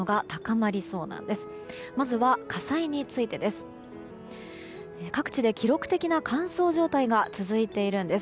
まずは、火災についてです。